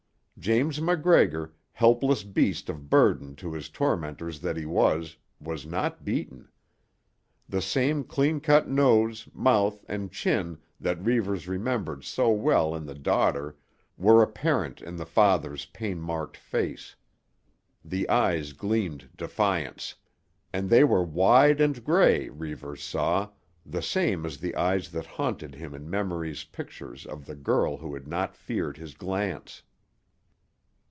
James MacGregor, helpless beast of burden to his tormentors that he was, was not beaten. The same clean cut nose, mouth and chin that Reivers remembered so well in the daughter were apparent in the father's pain marked face. The eyes gleamed defiance. And they were wide and grey, Reivers saw, the same as the eyes that haunted him in memory's pictures of the girl who had not feared his glance.